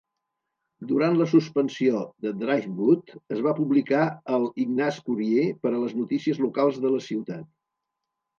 Durant la suspensió de Driftwood, es va publicar el "Ignace Courier" per a les notícies locals de la ciutat.